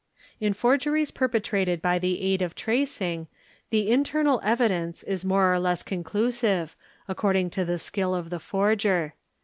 seapad: Se 8 246 ? THE EXPERT In forgeries perpetrated by the aid of tracing, the internal evidence is more or less conclusive, according to the skill of the forger.